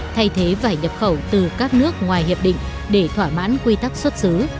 thay thế vải nhập khẩu từ các nước ngoài hiệp định để thỏa mãn quy tắc xuất xứ